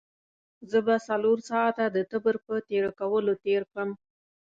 زه به څلور ساعته د تبر په تېره کولو تېر کړم.